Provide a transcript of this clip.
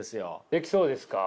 できそうですか？